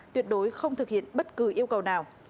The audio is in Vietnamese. tuyệt đối không thực hiện bất cứ yêu cầu nào